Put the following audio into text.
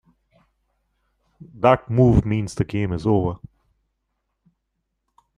That move means the game is over.